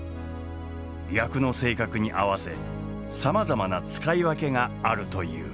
役の性格に合わせさまざまな使い分けがあるという。